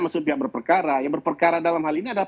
masuk pihak berperkara yang berperkara dalam hal ini adalah